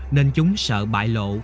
nên chúng sợ bại lộ